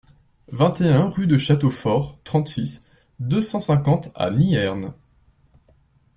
vingt et un rue de Château Fort, trente-six, deux cent cinquante à Niherne